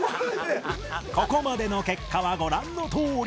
ここまでの結果はご覧のとおり